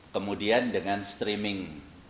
kemudian dengan streaming